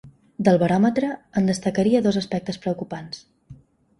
Del baròmetre, en destacaria dos aspectes preocupants.